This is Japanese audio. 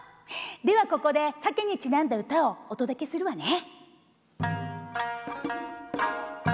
ではここで鮭にちなんだ唄をお届けするわね。